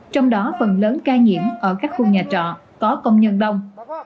trong đó phần lớn ca nhiễm ở các khu nhà trọ có công nhân đông